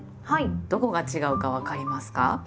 どこが違うか分かりますか？